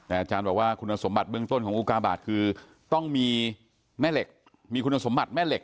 แต่อาจารย์บอกว่าคุณสมบัติเบื้องต้นของอุกาบาทคือต้องมีแม่เหล็กมีคุณสมบัติแม่เหล็